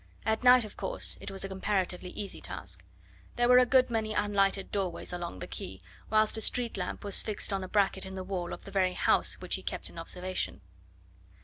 At night, of course, it was a comparatively easy task. There were a good many unlighted doorways along the quay, whilst a street lamp was fixed on a bracket in the wall of the very house which he kept in observation.